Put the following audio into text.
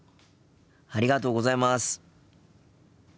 ありがとうございます！